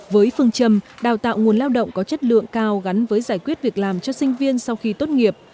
với phương trầm đào tạo nguồn lao động có chất lượng cao gắn với giải quyết việc làm cho sinh viên sau khi tốt nghiệp